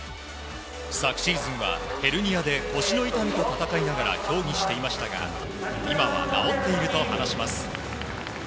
昨シーズンはヘルニアで腰の痛みと闘いながら競技していましたが今は治っていると話します。